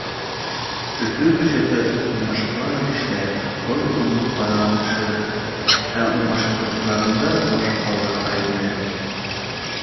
Өфө кешеһе уңышҡа ирешһә, был уның ҡаҙанышы. Ә уңышһыҙлыҡтарында башҡалар ғәйепле.